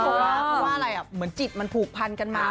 เพราะว่าอะไรเหมือนจิตมันผูกพันกันมา